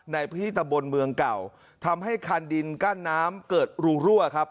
ในพื้นที่ตะบนเมืองเก่าทำให้คันดินกั้นน้ำเกิดรูรั่วครับ